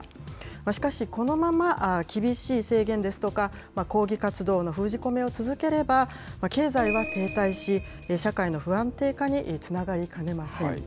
しかし、このまま厳しい制限ですとか、抗議活動の封じ込めを続ければ、経済は停滞し、社会の不安定化につながりかねません。